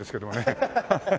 アハハハハ。